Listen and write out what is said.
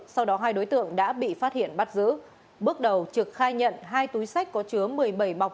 sau đó hai đối tượng đã bị phát hiện bắt giữ bước đầu trực khai nhận hai túi sách có chứa một mươi bảy bọc